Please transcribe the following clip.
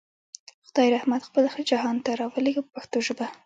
خدای رحمت خپل جهان ته راولېږه په پښتو ژبه.